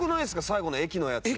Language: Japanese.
最後の駅のやつ。